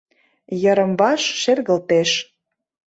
Йырым-ваш шергылтеш!..